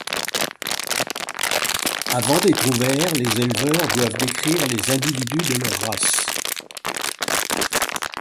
Avant d'être ouvert, les éleveurs doivent décrire les individus de leur race.